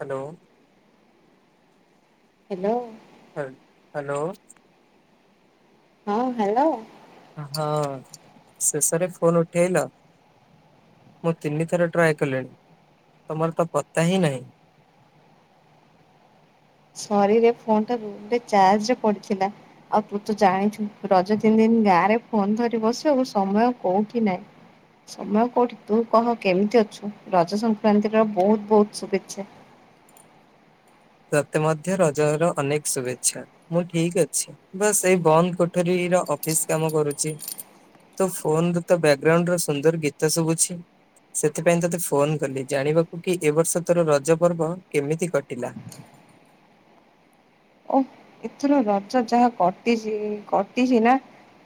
Hello! Hello! Hello! ହଁ hello. ହଁ ଶେଷରେ ଫୋନ୍ ଉଠେଇଲ? ମୁଁ ତିନିଥର ଟ୍ରାଏ କଲିଣି ତମର ତ ପତ୍ତା ହିଁ ନାହିଁ। ସରି ରେ ଫୋନ୍ ଟା ରୁମ୍ ରେ ଚାର୍ଜ ରେ ପଡିଥିଲା। ଆଉ ତୁ ତ ଜାଣିଚୁ ରଜ ତିନ୍ ଦିନ୍ ଗାଁରେ ଫୋନ୍ ଧରି ବସିବାକୁ ସମୟ କଉଠି ନାହିଁ। ସମୟ କଉଠି ତୁ କହ କେମିତି ଅଛୁ ରଜ ସଂକ୍ରାନ୍ତି ର ବହୁତ୍ ବହୁତ୍ ଶୁଭେଚ୍ଛା। ତତେ ମଧ୍ୟ ରଜ ର ଅନେକ ଶୁଭେଚ୍ଛା। ମୁଁ ଠିକ୍ ଅଛି ବାସ୍ ଏଇ ବନ୍ଦ୍ କୋଠରୀ ର ଅଫିସ୍ କାମ କରୁଚି। ତୋ ଫୋନ୍ ର ତ ବ୍ୟାକଗ୍ରାଉଣ୍ଡ ର ସୁନ୍ଦର ଗୀତ ଶୁବୁଚି। ସେଥିପାଇଁ ତତେ ଫୋନ୍ କଲି ଜାଣିବାକୁ କି ଏ ବର୍ଷ ତୋର ରଜ ପର୍ବ କେମିତି କଟିଲା? ଏଥିରୁ ରଜ ଯାହା କଟିଚି- କଟିଚି ନା।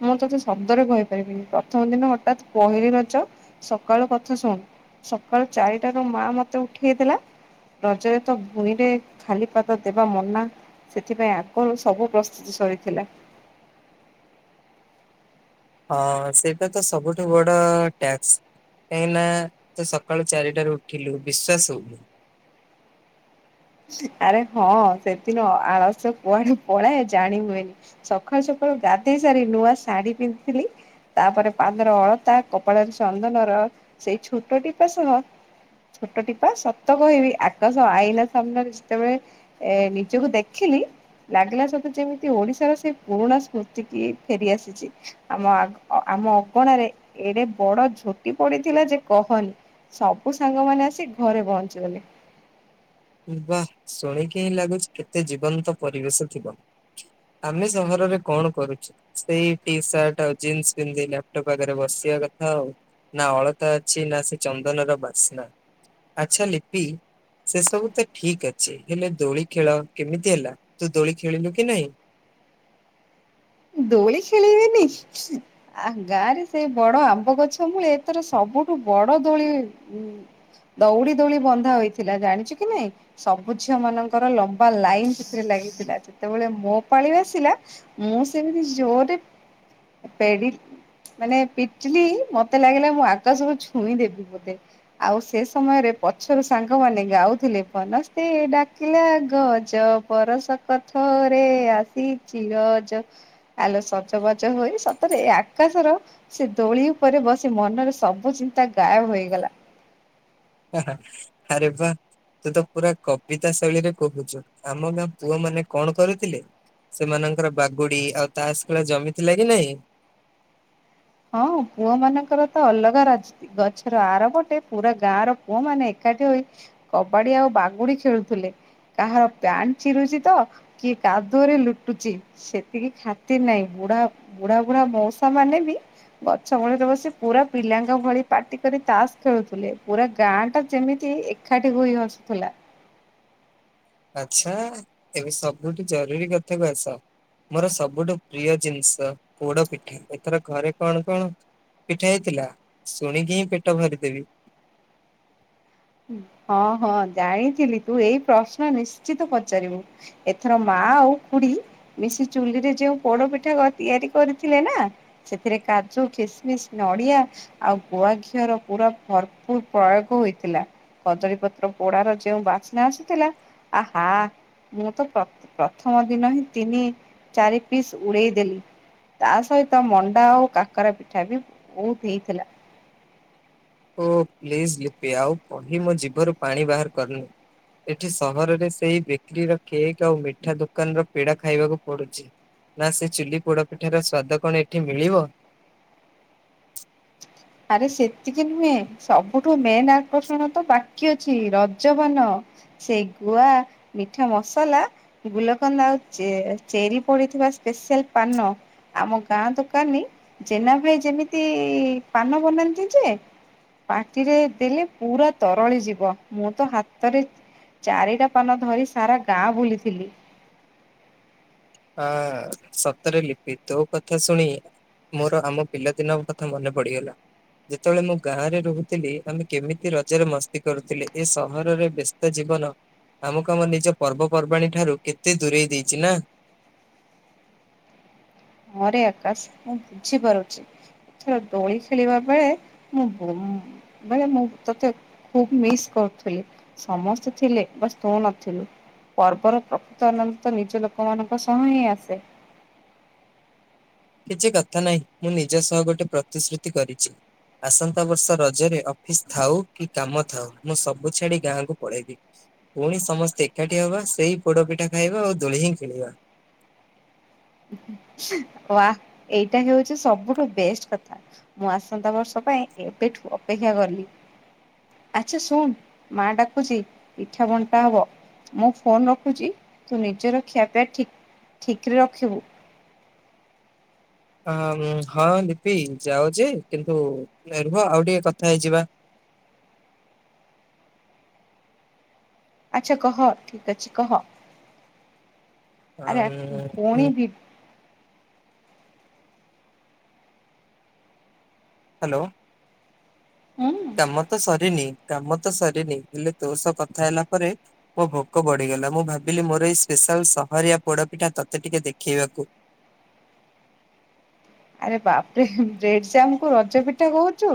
ମୁଁ ତୋତେ ଶବ୍ଦରେ କହିପାରିବିନି ପ୍ରଥମ ଦିନ ହଠାତ୍ ପହିଲି ରଜ ସକାଳୁ କଥା ଶୁଣ୍ ସକାଳୁ ଚାରିଟାରୁ ମା ମତେ ଉଠେଇ ଦେଲା ରଜରେ ତ ଭୂଇଁ ରେ ଖାଲି ପାଦ ଦେବା ମନା ସେଥିପାଇଁ ଆ ଗୁରୁ ସବୁ ପ୍ରସ୍ତୁତି ସରିଥିଲା। ହଁ ସେଇଟା ତ ସବୁଠୁ ବଡ ଟ୍ୟାକ୍ସ୍। କାହିଁକି ନା ତୁ ସକାଳୁ ଚାରିଟାରୁ ଉଠିଲୁ ବିଶ୍ଵାସ୍ ହଉନି। ଆରେ ହଁ ସେଦିନ ଆଳସ୍ୟ କୁଆଡେ ପଳାଏ ଜାଣି ହୁଏନି। ସକାଳୁ-ସକାଳୁ ଗାଧେଇ ସାରି ନୂଆ ଶାଢୀ ପିନ୍ଧିଥିଲି। ତାପରେ ପାଦର ଅଳତା କପାଳରେ ଚନ୍ଦନର ସେଇ ଛୋଟ ଟିପା ସହ ଛୋଟ ଟିପା ସତ କହିବି ଆକାଶ ଆଇନା ସାମ୍ନାରେ ଯେତେବେଳେ ଏ- ନିଜକୁ ଦେଖିଲି ଲାଗିଲା ସତେ ଯେମିତି ଓଡିଶାର ସେ ପୁରୁଣା ସ୍ମୃତି କି ଫେରିଆସିଚି। ଆମ-ଆ-ଆମ ଅଗଣାରେ ଏଡେ ବଡ ଝୋଟି ପଡିଥିଲା ଯେ କହନି। ସବୁ ସାଙ୍ଗ ମାନେ ଆସି ଘରେ ପହଞ୍ଚିଗଲେ। ବାଃ ଶୁଣିକି ହିଁ ଲାଗୁଚି କେତେ ଜୀବନ୍ତ ପରିବେଶ ଥିବ। ଆମେ ସହରରେ କଣ କରୁଚୁ ସେଇ ଟି ସାର୍ଟ ଆଉ ଜିନ୍ସ ପିନ୍ଧି ଲାପଟପ୍ ଆଗରେ ବସିବା କଥା ଆଉ। ନା ଅଳତା ଅଛି, ନା ସେ ଚନ୍ଦନର ବାସ୍ନା। ଆଚ୍ଛା ଲିପି ସେ ସବୁ ତ ଠିକ୍ ଅଛି ହେଲେ ଦୋଳି ଖେଳ କେମିତି ହେଲା ତୁ ଦୋଳି ଖେଳିଲୁ କି ନାହିଁ? ଦୋଳି ଖେଳିବିନି। ଆ- ଗାଁ ରେ ସେଇ ବଡ ଆମ୍ବ ଗଛ ମୂଳେ ଏଥର ସବୁଠୁ ବଡ ଦୋଳି ହେଇ ଦଉଡି ଦୋଳି ବନ୍ଧା ହୋଇଥିଲା ଜାଣିଚୁ କି ନାଇଁ? ସବୁ ଝିଅ ମାନଙ୍କର ଲମ୍ବା ଲାଇନ୍ ସେଥିରେ ଲାଗିଥିଲା ଯେତେବେଳେ ମୋ ପାଳି ଆସିଲା ମୁଁ ସେମିତି ଜୋର୍ ରେ ପେଡ଼ି ମାନେ ପିଟିଲି ମତେ ଲାଗିଲା ମୁଁ ଆକାଶକୁ ଛୁଇଁଦେବି ବୋଧେ। ଆଉ ସେ ସମୟରେ ପଛରୁ ସାଙ୍ଗମାନେ ଗାଉଥିଲେ ବନସ୍ତେ ଡାକିଲା ଗଜ ବରଷକେ ଥରେ ଆସିଚି ରଜ ଆଲ ସଜ ବାଜ ହୋଇ ସତରେ ଏଇ ଆକାଶର ସେ ଦୋଳି ଉପରେ ବସି ମନରେ ସବୁ ଚିନ୍ତା ଗାୟବ ହୋଇଗଲା। ହାଁ -ହାଁ ଆରେ ବା। ତୁ ତ ପୁରା କବିତା ଶୈଳୀରେ କହୁଚୁ- ଆମ ଗାଁ ପୁଅ ମାନେ କଣ କରୁଥିଲେ? ସେମାନଙ୍କର ବାଗୁଡି ଆଉ ତାସ୍ ଖେଳ ଜମି ଥିଲା କି ନାଇଁ? ହଁ ପୁଅ ମାନଙ୍କର ତ ଅଲଗା ରାଜ୍। ଗଛର ଆର ପଟେ ପୁରା ଗାଁ ର ପୁଅ ମାନେ ଏକାଠି ହୋଇ କବାଡି ଆଉ ବାଗୁଡି ଖେଳୁଥିଲେ। କାହାର ପ୍ୟାଣ୍ଟ ଚିରୁଚି ତ କିଏ କାଦୁଅରେ ଲୁଟୁଚି। ସେତିକି ଖାତିର୍ ନାହିଁ ବୁଢା- ବୁଢା -ବୁଢା ମଉସା ମାନେ ବି ଗଛ ମୂଳରେ ବସି ପୁରା ପିଲାଙ୍କ ଭଳି ପାଟି କରି ତାସ୍ ଖେଳୁଥିଲେ ପୁରା ଗାଁ ଟା ଯେମିତି ଏ ଖାଇକି। [unintelligible] ଆଚ୍ଛା। ଏବେ ସବୁଠୁ ଜରୁରୀ କଥାକୁୁ ଆସ। ମୋର ସବୁଠୁ ପ୍ରିୟ ଜିନିଷ ପୋଡ ପିଠା। ଏଥର ଘରେ କଣ କଣ ପିଠା ହେଇଥିଲା? ଶୁଣିକି ହିଁ ପେଟ ଭରିଦେବି। ହଁ ହଁ, ଜାଣିଥିଲି ତୁ ଏଇ ପ୍ରଶ୍ନ ନିଶ୍ଚିତ ପଚାରିବୁ। ଏଥର ମା ଆଉ ଖୁଡି ମିଶି ଚୁଲିରେ ଯୋଉ ପୋଡପିଠା ତିଆରି କରିଥିଲେ ନା ସେଥିରେ କାଜୁ, କିସମିସ୍, ନଡିଆ ଆଉ ଗୁଆ ଘିଅର ପୁରା ଭରପୁର ପ୍ରୟୋଗ ହୋଇଥିଲା। କଦଳୀ ପତ୍ର ପୋଡାର ଯୋଉ ବାସ୍ନା ଆସୁଥିଲା ଆହା ମୁଁ ତ ପ୍ର ପ୍ରଥମ ଦିନ ହିଁ ତିନି ଚାରି ପିସ୍ ଉଡେଇଦେଲି। ତା ସହିତ ମଣ୍ଡା ଆଉ କାକରା ପିଠା ବି ବହୁତ ହେଇଥିଲା। ଓ ପ୍ଲିଜ୍ ଲିପି ଆଉ କହି ମୋ ଜିଭରୁ ପାଣି ବାହାର କରନି। ଏଠି ସହରରେ ସେଇ ବେକରୀର କେକ୍ ଆଉ ମିଠା ଦୋକାନର ପେଡା ଖାଇବାକୁ ପଡୁଚି। ନା ସେ ଚୁଲି ପୋଡପିଠାର ସ୍ଵାଦ କଣ ଏଠି ମିଳିବ। ଆରେ ସେତିକି ନୁହେଁ, ସବୁଠୁ ମେନ୍ ଆକର୍ଷଣ ତ ବାକି ଅଛି ରଜ ପାନ। ସେଇ ଗୁଆ, ମିଠା ମସଲା ଗୁଲକନ୍ଦ ଆଉ ଚେ ଚେରି ପଡିଥିବା ସ୍ପେଶାଲ ପାନ ଆମ ଗାଁ ଦୋକାନୀ ଜେନା ଭାଇ ଯେମିତି ପାନ ବନାନ୍ତି ଯେ ପାଟିରେ ଦେଲେ ପୁରା ତରଳି ଯିବ। ମୁଁ ତ ହାତରେ ଚାରିଟା ପାନ ଧରି ସାରା ଗାଁ ବୁଲିଥିଲି। ହଁ। ସତରେ ଲିପି ତୋ କଥା ଶୁଣି ମୋର ଆମ ପିଲାଦିନ କଥା ମନେ ପଡିଗଲା। ଯେତେବେଳେ ମୁଁ ଗାଁ ରେ ରହୁଥିଲି, ଆମେ କେମିତି ରଜରେ ମସ୍ତି କରୁଥିଲେ। ଏ ସହରରେ ବେଶ୍ ସ୍ତ ଜୀବନ ଆମକୁ ଆମ ନିଜ ପର୍ବପର୍ବାଣୀ ଠାରୁ କେତେ ଦୂରେଇ ଦେଇଚି ନା। ହଁ ରେ ଆକାଶ ମୁଁ ବୁଝିପାରୁଚି। ଏଥର ଦୋଳି ଖେଳିବା ବେଳେ ମୁଁ। [unintelligible] ବାଇଆ ମୁଁ ତତେ ଖୁବ ମିସ୍ କରୁଥିଲି। ସମସ୍ତେ ଥିଲେ ବସ୍ ତୁ ନଥିଲୁ। ପର୍ବର ପ୍ରକୃତ ଆନନ୍ଦ ତ ନିଜ ଲୋକମାନଙ୍କ ସହ ହିଁ ଆସେ। କିଛି କଥା ନାହିଁ ମୁଁ ନିଜ ସହ ଗୋଟେ ପ୍ରତିଶ୍ରୁତି କରିଚି। ଆସନ୍ତା ବର୍ଷ ରଜରେ ଅଫିସ ଥାଉ କି କାମ ଥାଉ, ମୁଁ ସବୁ ଛାଡି ଗାଁକୁ ପଳେଇବି। ପୁଣି ସମସ୍ତେ ଏକାଠି ହବା। ସେଇ ପୋଡ ପିଠା ଖାଇବା ଆଉ ଦୋଳି ହିଁ ଖେଳିବା। ହ ୱା ଏଇଟା ହଉଚି ସବୁଠୁ ବେଷ୍ଟ କଥା। ମୁଁ ଆସନ୍ତା ବର୍ଷ ପାଇଁ ଏବେଠୁ ଅପେକ୍ଷା କଲି। ଆଚ୍ଛାଶୁଣୁ ମା ଡାକୁଚି ପିଠା ବଣ୍ଟା ହବ। ମୁଁ ଫୋନ ରଖୁଚି। ତୁ ନିଜର ଖିଆପିଆ ଠିକ୍ ଠିକ୍ ରେ ରଖିବୁ। ହଁ ଲିପି ଯାଓ ଯେ କିନ୍ତୁ ନାଇ ରୁହ ଆଉ ଟିକେ କଥା ହେଇଯିବା। ଆଚ୍ଛା କହ ଠିକ୍ ଅଛି କହ। ଆ ଆରେ ଆକ୍ ପୁଣି ବି ହାଲୋ। ହୁଁ। କାମ ତ ସରିନି କାମ ତ ସରିନି ହେଲେ ତୋ ସହ କଥା ହେଲା ପରେ ମୋ ଭୋକ ବଢିଗଲା। ମୁଁ ଭାବିଲି ମୋର ଏଇ ସ୍ପେଶାଲ ସହରିଆ ପୋଡ ପିଠା ତତେ ଟିକେ ଦେଖେଇବାକୁ। ଆରେ ବାପ୍ ରେ ବ୍ରେଡଜାମ୍ କୁ ରଜ ପିଠା କହୁଚୁ।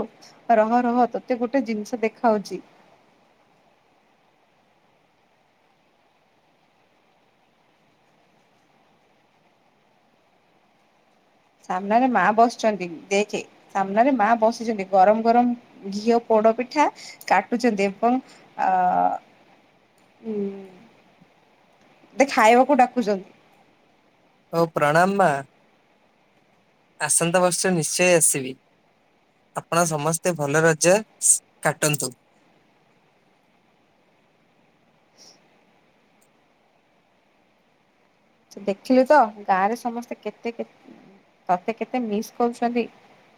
ରହ ରହ ତୋତେ ଗୋଟେ ଜିନିଷ ଦେଖାଉଚି। ସାମ୍ନାରେ ମା ବସିଛନ୍ତି ଦେଖେ। ସାମ୍ନାରେ ମା ବସିଛନ୍ତି। ଗରମ ଗରମ ଘିଅ ପୋଡ ପିଠା କାଟୁଛନ୍ତି। ଏବଂ ଆ ଉ ତତେ ଖାଇବାକୁ ଡାକୁଚନ୍ତି। ହଉ ପ୍ରାଣାମ ମା। ଆସନ୍ତା ବର୍ଷ ନିଶ୍ଚୟ ଆସିବି। ଆପଣ ସମସ୍ତେ ଭଲ ରଜସ କାଟନ୍ତୁ। ଦେଖିଲୁ ତ ଗାଁରେ ସମସ୍ତେ କେତେ କେ ତତେ କେତେ ମିସ୍ କରୁଛନ୍ତି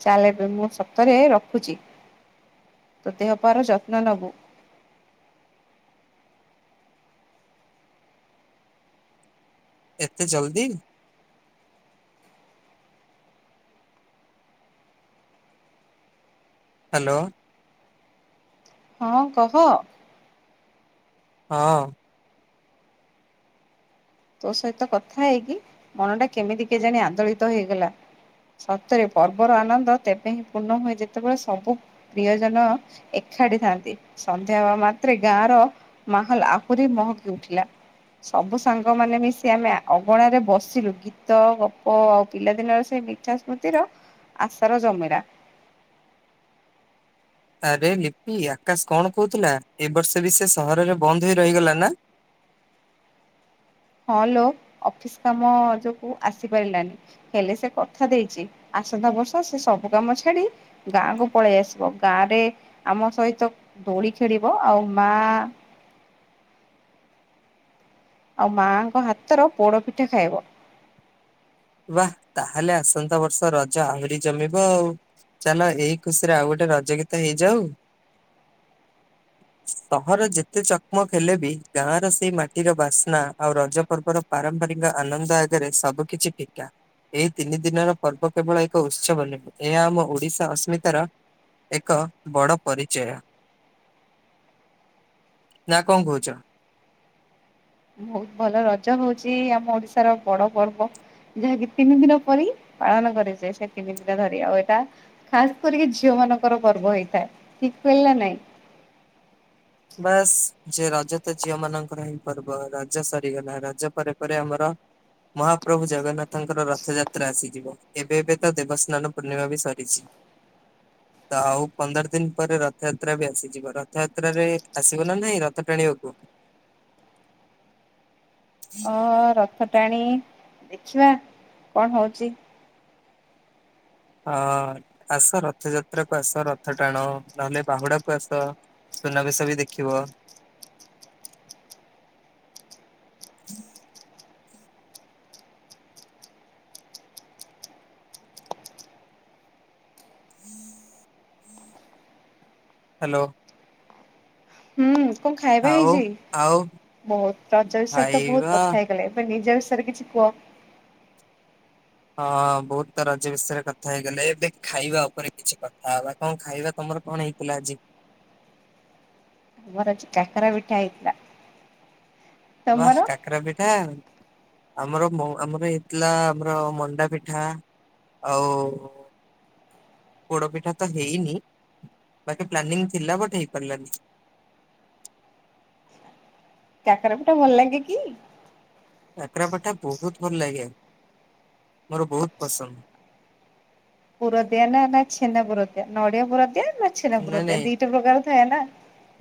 ଚାଲ ଏବେ ମୁଁ ସତରେ ରଖୁଛି। ତ ଦେହପାର ଯତ୍ନ ନବୁ। ଏତେ ଜଲଦି ହ୍ୟାଲୋ। ହଁ କହ। ହଁ। ତୋ ସହିତ କଥା ହେଇକି ମନ ଟା କେମିତି କେ ଜାଣି ଆନ୍ଦୋଳିତ ହେଇଗଲା। ସତରେ ପର୍ବର ଆନନ୍ଦ ତେବେ ହିଁ ପୂର୍ଣ୍ଣ ହୁଏ ଯେତେବେଳେ ସବୁ ପ୍ରିୟ ଜନ ଏକାଠି ଥାନ୍ତି ସନ୍ଧ୍ୟା ହେବା ମାତ୍ରେ ଗାଁ ର ମାହଲ ଆହୁରି ମହକି ଉଠିଲା ସବୁ ସାଙ୍ଗ ସାଙ୍ଗ ମାନେ ମିଶି ଆମେ ଅଗଣାରେ ବସିଲୁ ଗୀତ ଗପ ଆଉ ପିଲାଦିନର ସେ ମିଠା ସ୍ମୃତିର ଆଶାର ଜମିରା। ଆରେ ଲିପି ଆକାଶ କଣ କହୁଥିଲା ଏ ବର୍ଷ ବି ସେ ସହରରେ ବନ୍ଦ ହେ ରହିଗଲା ନା। ହଁ ଲୋ ଅଫିସ କାମ ଯୋଗୁଁ ଆସିପାରିଲାନି। ହେଲେ ସେ କଥା ଦେଇଛି ଆସନ୍ତା ବର୍ଷ ସେ ସବୁ କାମ ଛାଡି ଗାଁକୁୁ ପଳେଇ ଆସିବ ଗାଁ ରେ ଆମ ସହିତ ଦୋଳି ଖେଳିବ ଆଉ ମା ଆଉ ମାଆଙ୍କ ହାତର ପୋଡପିଠା ଖାଇବ। ବା ତାହେଲେ ଆସନ୍ତା ବର୍ଷ ରଜ ଆହୁରି ଜମିବ ଆଉ। ଚାଲ ଏଇ ଖୁସିରେ ଆଉ ଗୋଟେ ରଜ ଗୀତ ହେଇଯାଉ। ସହର ଯେତେ ଚକମକ ହେଲେ ବି ଗାଁ ର ସେଇ ମାଟିର ବାସ୍ନା ଆଉ ରଜ ପର୍ବର ପାରମ୍ପରିକ ଆନନ୍ଦ ଆଗରେ ସବୁ କିିଛି ଫି କା ଏଇ ତିନି ଦିନର ପର୍ବ କେବଳ ଏକ ଉତ୍ସବ ନୁହେଁ ଏହା ଆମ ଓଡିଶା ଅସ୍ମିତାର ଏକ ବଡ଼ ପରିଚୟ। ନା କଣ କହୁଛ? ବହୁତ ଭଲ ରଜ ହଉଛି ଆମ ଓଡିଶାର ବଡ ପର୍ବ। ଯାହାକି ତିନି ଦିନ ପରି ପାଳନ କରିଯାଏ ସେ ତିନି ଦିନ ଧରି ଆଉ ଏଟା ଖାସ୍ କରିକି ଝିଅ ମାନଙ୍କର ପର୍ବ ହେଇଥାଏ ଠିକ କହିଲା ନାଇଁ? ବାସ୍ ସେ ରଜ ତ ଝିଅ ମାନଙ୍କର ହିଁ ପର୍ବ ରଜ ସରିଗଲା ରଜ ପରେ ପରେ ଆମର ମହାପ୍ରଭୁ ଜଗନ୍ନାଥଙ୍କର ରଥଯାତ୍ରା ଆସିଯିବ ଏବେ ଏବେ ତ ଦେବସ୍ନାନ ପୂର୍ଣ୍ଣିମା ବି ସରିଛି। ତ ଆଉ ପନ୍ଦର ଦିନି ପରେ ରଥଯାତ୍ରା ବି ଆସିଯିବ ରଥଯାତ୍ରାରେ ଆସିବ ନା ନାଇଁ ରଥ ଟାଣିବାକୁ। ହଁ ରଥ ଟାଣି ଦେଖିବା କଣ ହଉଛି? ହଁ ଆସ ରଥଯାତ୍ରା କୁ ଆସ ରଥ ଟାଣ ନହେଲେ ବାହୁଡା କୁ ଆସ। ସୁନାବେଶ ବି ଦେଖିବ। ହ୍ୟାଲୋ। ହୁଁ କଣ ଖାଇବା ଆଉ ହେଇଛି ଆଉ ବହୁତ ରଜ ବିଷୟରେ ତ ବହୁତ ଖାଇବା କଥା ହେଇ ଗଲେ ଏବେ ନିଜ ବିଷୟରେ କିଛି କୁହ। ହଁ ବହୁତ ତ ରଜ ବିଷୟରେ କଥା ହେଇଗଲେ ଏବେ ଖାଇବା ଉପରେ କିଛି କଥା ହବା। କଣ ଖାଇବା ତମର କଣ ହେଇଥିଲା ଆଜି? ଆମର ଆଜି କାକରା ପିଠା ହେଇଥିଲା। ତମର ବାହା କାକରା ପିଠା। ଆମର ମୋ ଆମର ହେଇଥିଲା ଆମର ମଣ୍ଡା ପିଠା। ଆଉ ପୋଡ ପିଠା ତ ହେଇନି ବାକି ପ୍ଲାନିଂ ଥିଲା ବଟ ହେଇପାରିଲାନି। କାକରା ପିଠା ଭଲ ଲାଗେ କି? କାକରା ପଠା ବହୁତ ଭଲ ଲାଗେ ମୋର ବହୁତ ପସନ୍ଦ। ପୁର ଦିଆ ନା ନା ଛେନା ପୁର ଦିଆ ନଡିଆ ପୁର ଦିଆ ନା ଛେନା ପୁର ଦିଆ ଦିଇଟା ପ୍ରକାର ଥାଏ ନା?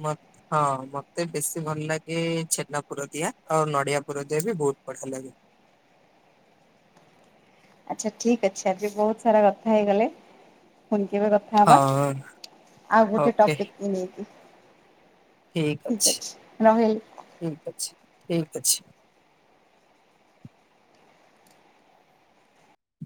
ମତ୍ ହଁ ମତେ ବେଶୀ ଭଲ ଲାଗେ ଛେନା ପୁର ଦିଆ ଆଉ ନଡ଼ିଆ ପୁର ଦିଆ ବି ବୋହୁତ ବଢିଆ ଲାଗେ। ଆଚ୍ଛା ଠିକ୍ ଅଛି ଆଜି ବୋହୁତ ସାରା କଥା ହେଇଗଲେ ପୁଣି କେବେ କଥା ହବା ହଁ ଆଉ ଗୋଟେ ଓକେ ଟପିକକୁ ନେଇକି। ଠିକ ଅଛି ଠିକ ଅଛି ଠିକ ଅଛି।